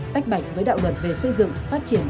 tách bạch với đạo luật về xây dựng phát triển